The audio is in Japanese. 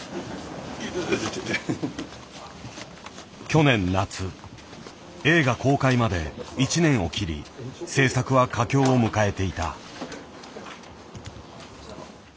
去年夏映画公開まで１年を切り製作は佳境を迎えていた。